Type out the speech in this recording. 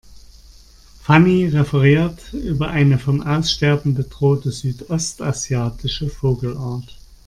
Fanny referiert über eine vom Aussterben bedrohte südostasiatische Vogelart.